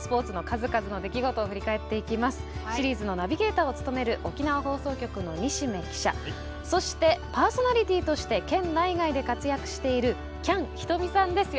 シリーズのナビゲーターを務める沖縄放送局の西銘記者そしてパーソナリティーとして県内外で活躍しているきゃんひとみさんです。